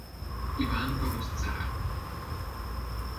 Iván orosz cár.